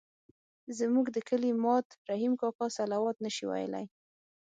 زموږ د کلي ماد رحیم کاکا الصلواة نه شوای ویلای.